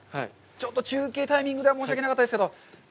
ちょっと中継タイミングでは申しわけなかったですけど。